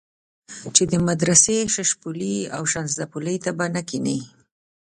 چې د مدرسې ششپولي او شانزدا پلي ته به نه کېنې.